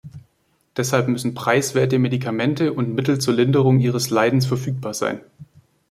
Deshalb müssen preiswerte Medikamente und Mittel zur Linderung ihres Leidens verfügbar sein.